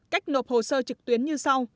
cách nộp hồ sơ trực tuyến như sau